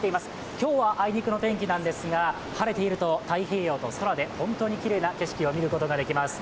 今日はあいにくの天気なんですが晴れていると太平洋と空で本当にきれいな景色を見ることができます。